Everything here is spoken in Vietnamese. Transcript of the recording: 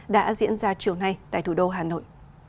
đã diễn ra chiều nay tại thủ đô hà nội